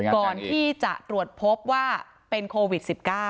ก่อนที่จะตรวจพบว่าเป็นโควิด๑๙